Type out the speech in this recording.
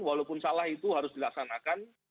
walaupun salah itu harus dilaksanakan